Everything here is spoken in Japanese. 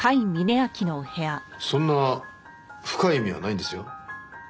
そんな深い意味はないんですよ。